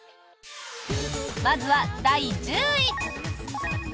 まずは第１０位。